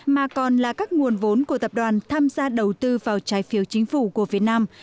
mà còn là các nguồn vốn của tập đoàn tham gia đầu tư vào trái phiếu chính phủ của việt nam